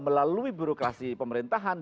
melalui birokrasi pemerintahan